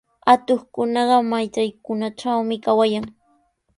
Atuqkunaqa matraykunatrawmi kawayan.